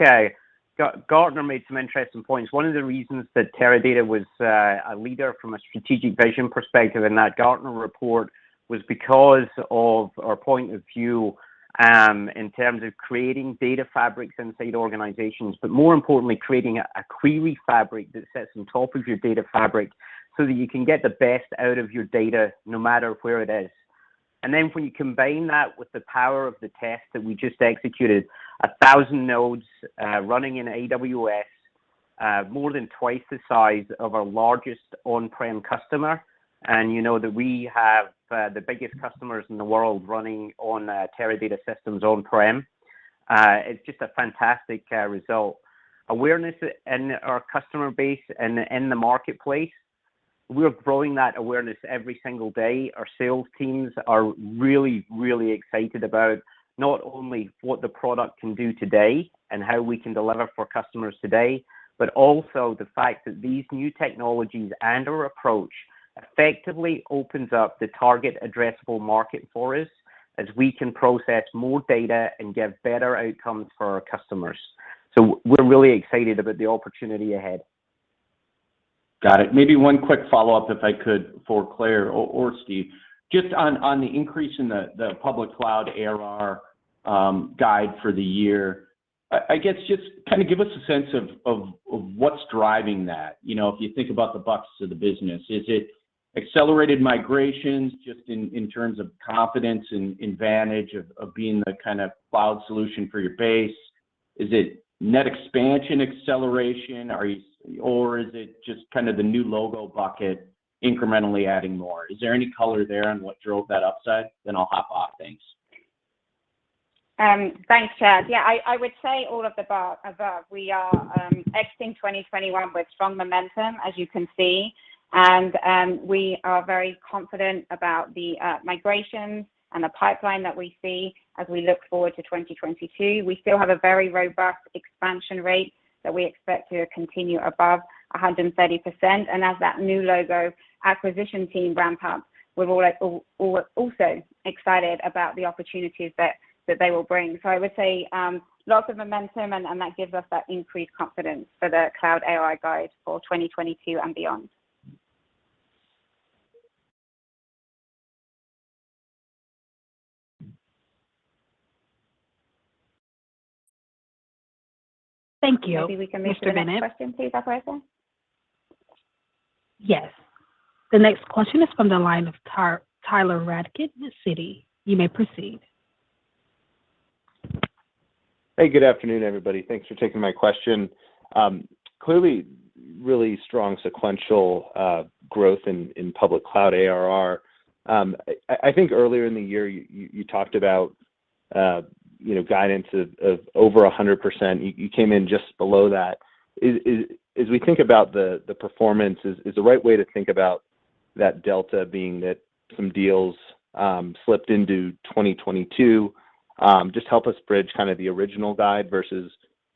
Gartner made some interesting points. One of the reasons that Teradata was a leader from a strategic vision perspective in that Gartner report was because of our point of view in terms of creating data fabrics inside organizations, but more importantly, creating a query fabric that sits on top of your data fabric so that you can get the best out of your data no matter where it is. When you combine that with the power of the test that we just executed, 1,000 nodes running in AWS, more than twice the size of our largest on-prem customer, and you know that we have the biggest customers in the world running on Teradata systems on-prem, it's just a fantastic result. Awareness in our customer base and in the marketplace, we're growing that awareness every single day. Our sales teams are really, really excited about not only what the product can do today and how we can deliver for customers today, but also the fact that these new technologies and our approach effectively opens up the target addressable market for us as we can process more data and give better outcomes for our customers. We're really excited about the opportunity ahead. Got it. Maybe one quick follow-up, if I could, for Claire or Steve. Just on the increase in the public cloud ARR guide for the year. I guess just kind of give us a sense of what's driving that. You know, if you think about the bulk of the business, is it accelerated migrations just in terms of confidence and advantage of being the kind of cloud solution for your base? Is it net expansion acceleration? Or is it just kind of the new logo bucket incrementally adding more? Is there any color there on what drove that upside? Then I'll hop off. Thanks. Thanks, Chad. Yeah, I would say all of the above. We are exiting 2021 with strong momentum, as you can see, and we are very confident about the migrations and the pipeline that we see as we look forward to 2022. We still have a very robust expansion rate that we expect to continue above 130%. As that new logo acquisition team ramp up, we're also excited about the opportunities that they will bring. I would say lots of momentum and that gives us that increased confidence for the cloud ARR guide for 2022 and beyond. Thank you, Mr. Bennett. Maybe we can move to the next question, please, operator. Yes. The next question is from the line of Tyler Radke, Citi. You may proceed. Hey, good afternoon, everybody. Thanks for taking my question. Clearly really strong sequential growth in public cloud ARR. I think earlier in the year you talked about, you know, guidance of over 100%. You came in just below that. Is, as we think about the performance, the right way to think about that delta being that some deals slipped into 2022? Just help us bridge kind of the original guide versus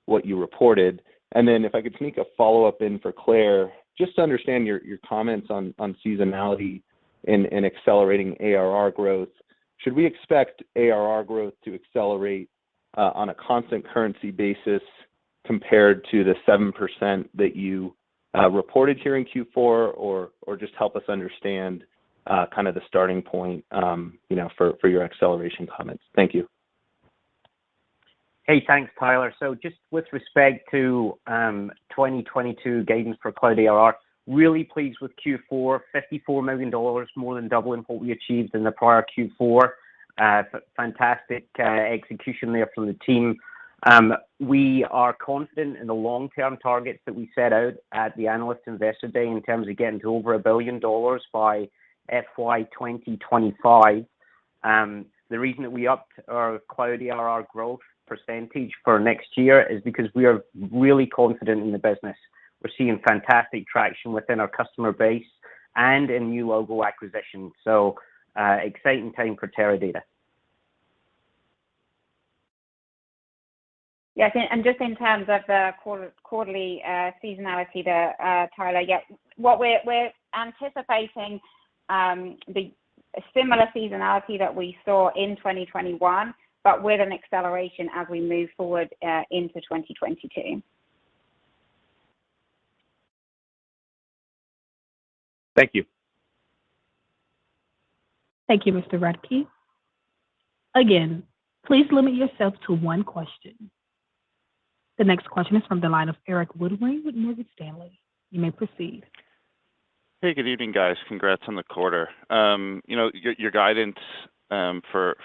what you reported. If I could sneak a follow-up in for Claire, just to understand your comments on seasonality and accelerating ARR growth. Should we expect ARR growth to accelerate on a constant currency basis compared to the 7% that you reported here in Q4? Just help us understand kind of the starting point, you know, for your acceleration comments. Thank you. Hey, thanks, Tyler. Just with respect to 2022 guidance for cloud ARR, really pleased with Q4. $54 million, more than doubling what we achieved in the prior Q4. Fantastic execution there from the team. We are confident in the long-term targets that we set out at the Analyst and Investor Day in terms of getting to over $1 billion by FY 2025. The reason that we upped our cloud ARR growth percentage for next year is because we are really confident in the business. We're seeing fantastic traction within our customer base. In new logo acquisition. Exciting time for Teradata. Yes, just in terms of the quarterly seasonality there, Tyler, yeah, what we're anticipating, the similar seasonality that we saw in 2021, but with an acceleration as we move forward into 2022. Thank you. Thank you, Mr. Radke. Again, please limit yourself to one question. The next question is from the line of Erik Woodring with Morgan Stanley. You may proceed. Hey, good evening, guys. Congrats on the quarter. You know, your guidance for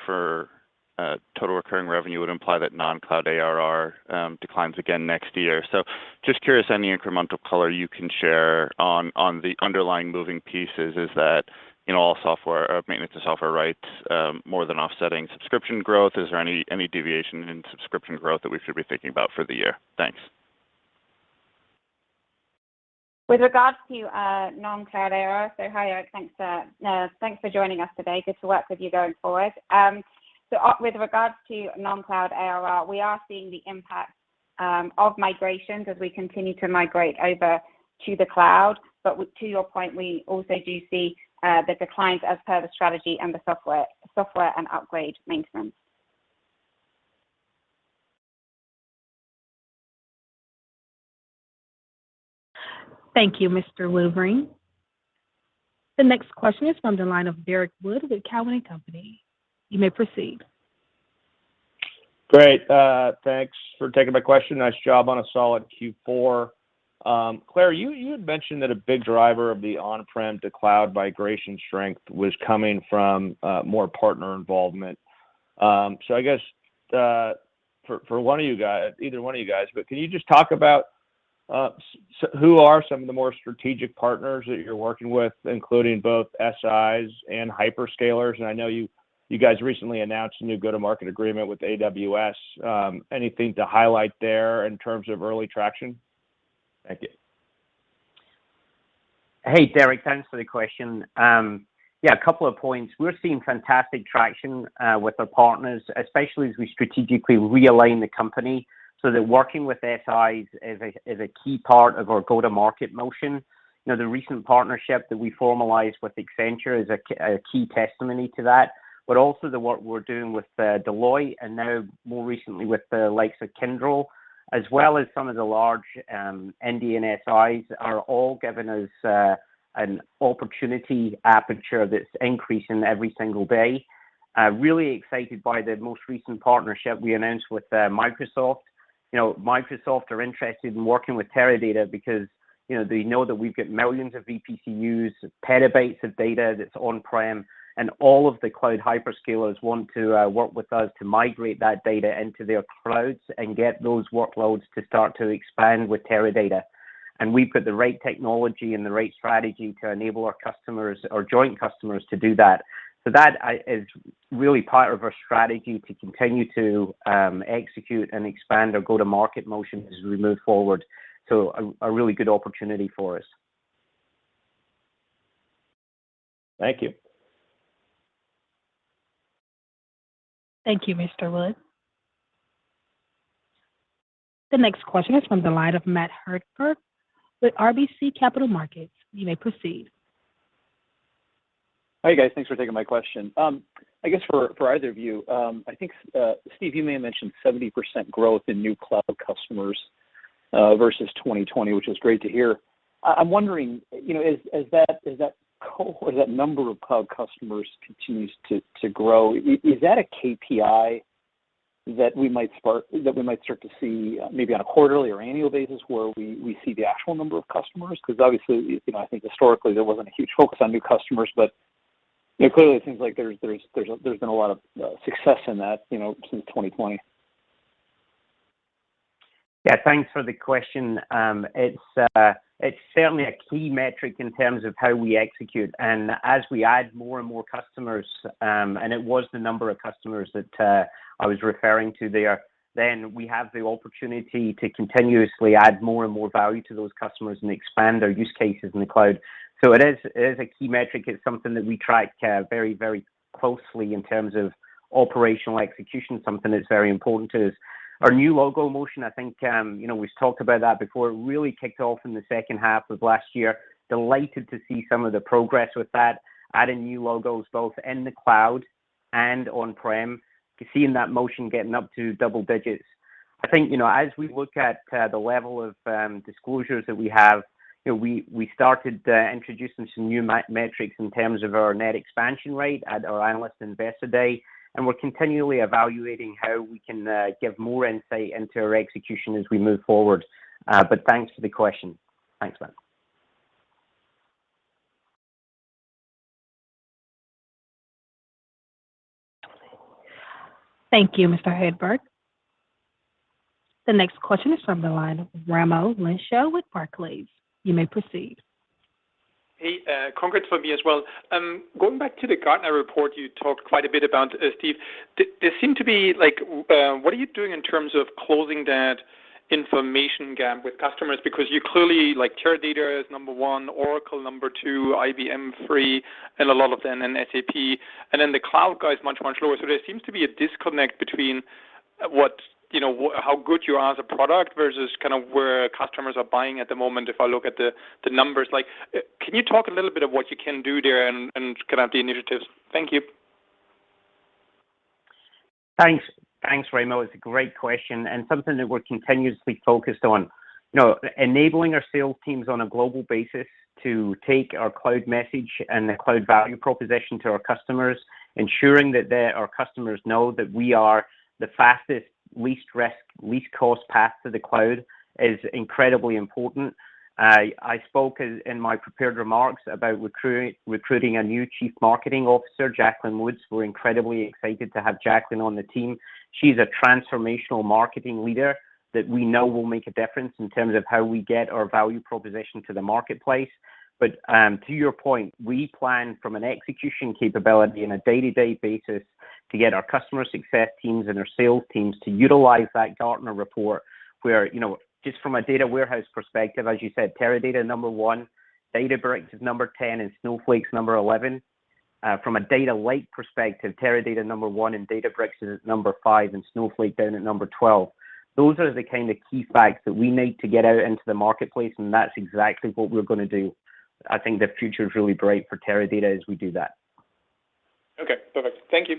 total recurring revenue would imply that non-cloud ARR declines again next year. Just curious any incremental color you can share on the underlying moving pieces. Is that, you know, all software or maintenance and software rights more than offsetting subscription growth? Is there any deviation in subscription growth that we should be thinking about for the year? Thanks. With regards to non-cloud ARR. Hi, Erik. Thanks for joining us today. Good to work with you going forward. With regards to non-cloud ARR, we are seeing the impact of migrations as we continue to migrate over to the cloud. To your point, we also do see the declines as per the strategy and the software and upgrade maintenance. Thank you, Mr. Woodring. The next question is from the line of Derrick Wood with Cowen and Company. You may proceed. Great. Thanks for taking my question. Nice job on a solid Q4. Claire, you had mentioned that a big driver of the on-prem to cloud migration strength was coming from more partner involvement. I guess for one of you either one of you guys, but can you just talk about who are some of the more strategic partners that you're working with, including both SIs and hyperscalers? I know you guys recently announced a new go-to-market agreement with AWS. Anything to highlight there in terms of early traction? Thank you. Hey, Derrick. Thanks for the question. Yeah, a couple of points. We're seeing fantastic traction with the partners, especially as we strategically realign the company, so that working with SIs is a key part of our go-to-market motion. You know, the recent partnership that we formalized with Accenture is a key testimony to that. Also the work we're doing with Deloitte and now more recently with the likes of Kyndryl, as well as some of the large ND and SIs are all giving us an opportunity aperture that's increasing every single day. Really excited by the most recent partnership we announced with Microsoft. You know, Microsoft are interested in working with Teradata because, you know, they know that we've got millions of vCPUs, petabytes of data that's on-prem, and all of the cloud hyperscalers want to work with us to migrate that data into their clouds and get those workloads to start to expand with Teradata. We've got the right technology and the right strategy to enable our customers or joint customers to do that. That is really part of our strategy to continue to execute and expand our go-to-market motion as we move forward. A really good opportunity for us. Thank you. Thank you, Mr. Wood. The next question is from the line of Matt Hedberg with RBC Capital Markets. You may proceed. Hi, guys. Thanks for taking my question. I guess for either of you, I think Steve, you may have mentioned 70% growth in new cloud customers versus 2020, which is great to hear. I'm wondering, you know, as that number of cloud customers continues to grow, is that a KPI that we might start to see maybe on a quarterly or annual basis where we see the actual number of customers? Because obviously, you know, I think historically there wasn't a huge focus on new customers, but you know, clearly it seems like there's been a lot of success in that, you know, since 2020. Yeah, thanks for the question. It's certainly a key metric in terms of how we execute. As we add more and more customers, and it was the number of customers that I was referring to there, then we have the opportunity to continuously add more and more value to those customers and expand their use cases in the cloud. It is a key metric. It's something that we track very closely in terms of operational execution, something that's very important to us. Our new logo motion, I think, you know, we've talked about that before, it really kicked off in the second half of last year. Delighted to see some of the progress with that, adding new logos both in the cloud and on-prem, to seeing that motion getting up to double digits. I think, you know, as we look at the level of disclosures that we have, you know, we started introducing some new metrics in terms of our net expansion rate at our Analyst Investor Day, and we're continually evaluating how we can give more insight into our execution as we move forward. Thanks for the question. Thanks, Matt. Thank you, Mr. Hedberg. The next question is from the line of Raimo Lenschow with Barclays. You may proceed. Hey, congrats from me as well. Going back to the Gartner report you talked quite a bit about, Steve. There seem to be like, what are you doing in terms of closing that information gap with customers? Because you clearly like Teradata is number one, Oracle number two, IBM three, and a lot of them, and SAP, and then the cloud guy is much, much lower. So there seems to be a disconnect between what, you know, how good you are as a product versus kind of where customers are buying at the moment, if I look at the numbers. Like, can you talk a little bit about what you can do there and kind of the initiatives? Thank you. Thanks. Thanks, Raimo. It's a great question and something that we're continuously focused on. You know, enabling our sales teams on a global basis to take our cloud message and the cloud value proposition to our customers, ensuring that they, our customers know that we are the fastest, least risk, least cost path to the cloud is incredibly important. I spoke in my prepared remarks about recruiting a new Chief Marketing Officer, Jacqueline Woods. We're incredibly excited to have Jacqueline on the team. She's a transformational marketing leader that we know will make a difference in terms of how we get our value proposition to the marketplace. To your point, we plan from an execution capability on a day-to-day basis to get our customer success teams and our sales teams to utilize that Gartner report where, you know, just from a data warehouse perspective, as you said, Teradata number one, Databricks is number 10, and Snowflake's number 11. From a data lake perspective, Teradata number one, and Databricks is at number five, and Snowflake down at number 12. Those are the kind of key facts that we need to get out into the marketplace, and that's exactly what we're gonna do. I think the future is really bright for Teradata as we do that. Okay, perfect. Thank you.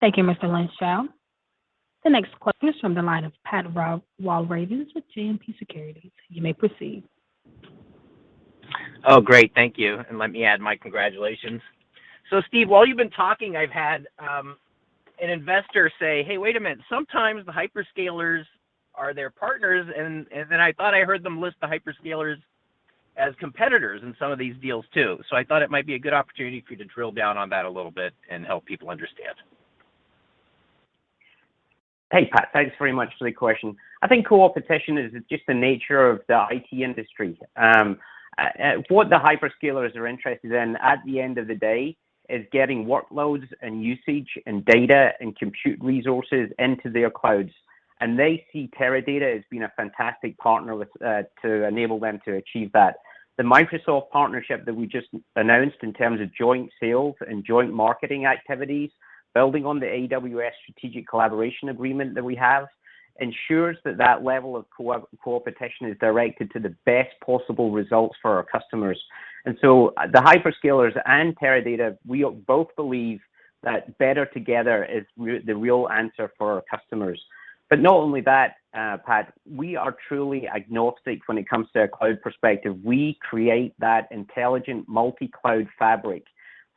Thank you, Mr. Lenschow. The next question is from the line of Patrick Walravens with JMP Securities. You may proceed. Oh, great. Thank you, and let me add my congratulations. Steve, while you've been talking, I've had an investor say, "Hey, wait a minute. Sometimes the hyperscalers are their partners, and then I thought I heard them list the hyperscalers as competitors in some of these deals, too." I thought it might be a good opportunity for you to drill down on that a little bit and help people understand. Hey, Pat. Thanks very much for the question. I think coopetition is just the nature of the IT industry. What the hyperscalers are interested in at the end of the day is getting workloads and usage and data and compute resources into their clouds. They see Teradata as being a fantastic partner with to enable them to achieve that. The Microsoft partnership that we just announced in terms of joint sales and joint marketing activities, building on the AWS strategic collaboration agreement that we have, ensures that that level of coopetition is directed to the best possible results for our customers. The hyperscalers and Teradata, we both believe that better together is the real answer for our customers. Not only that, Pat, we are truly agnostic when it comes to a cloud perspective. We create that intelligent multi-cloud fabric,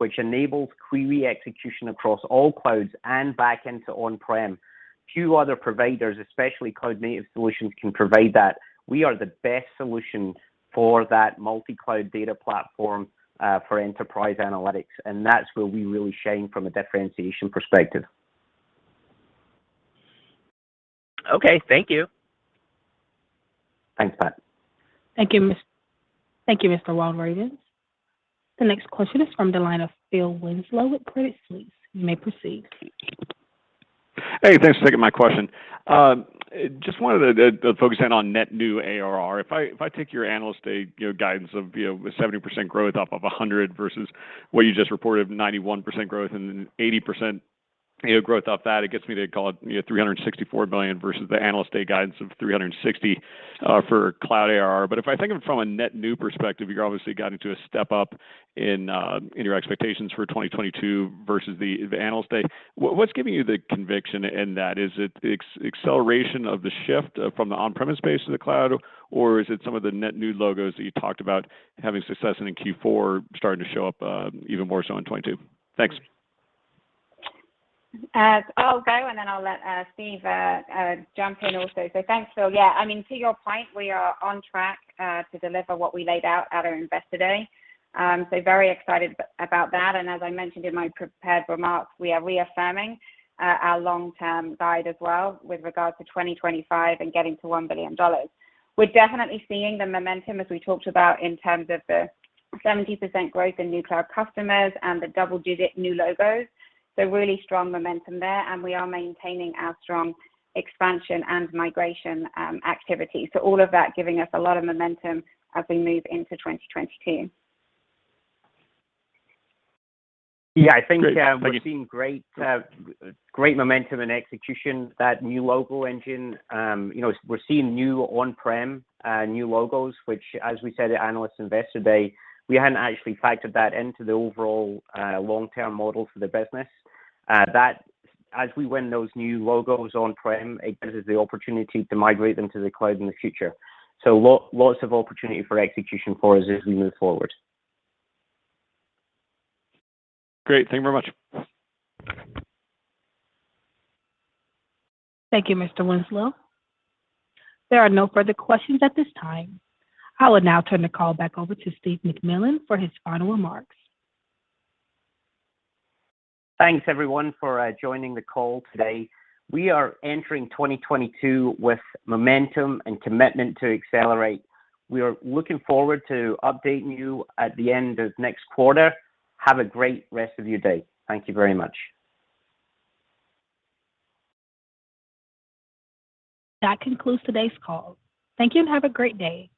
which enables query execution across all clouds and back into on-prem. Few other providers, especially cloud-native solutions, can provide that. We are the best solution for that multi-cloud data platform, for enterprise analytics, and that's where we really shine from a differentiation perspective. Okay, thank you. Thanks, Pat. Thank you, Mr. Walravens. The next question is from the line of Philip Winslow with Credit Suisse. You may proceed. Hey, thanks for taking my question. Just wanted to focus in on net new ARR. If I take your analyst day, you know, guidance of 70% growth off of 100% versus what you just reported, 91% growth and then 80%, you know, growth off that, it gets me to call it, you know, $364 million versus the Analyst Day guidance of $360 for cloud ARR. If I think of it from a net new perspective, you obviously guided to a step up in your expectations for 2022 versus the Analyst Day. What's giving you the conviction in that? Is it acceleration of the shift from the on-premise base to the cloud, or is it some of the net new logos that you talked about having success in Q4 starting to show up, even more so in 2022? Thanks. I'll go, and then I'll let Steve jump in also. Thanks, Phil. Yeah, I mean, to your point, we are on track to deliver what we laid out at our Investor Day. Very excited about that. As I mentioned in my prepared remarks, we are reaffirming our long-term guide as well with regard to 2025 and getting to $1 billion. We're definitely seeing the momentum as we talked about in terms of the 70% growth in new cloud customers and the double-digit new logos. Really strong momentum there, and we are maintaining our strong expansion and migration activity. All of that giving us a lot of momentum as we move into 2022. Yeah, I think... we're seeing great momentum and execution. That new logo engine, you know, we're seeing new on-prem new logos, which as we said at Analyst Investor Day, we hadn't actually factored that into the overall long-term model for the business. That, as we win those new logos on-prem, it gives us the opportunity to migrate them to the cloud in the future. Lots of opportunity for execution for us as we move forward. Great. Thank you very much. Thank you, Mr. Winslow. There are no further questions at this time. I will now turn the call back over to Steve McMillan for his final remarks. Thanks, everyone, for joining the call today. We are entering 2022 with momentum and commitment to accelerate. We are looking forward to updating you at the end of next quarter. Have a great rest of your day. Thank you very much. That concludes today's call. Thank you, and have a great day.